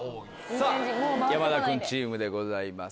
さぁ山田君チームでございます。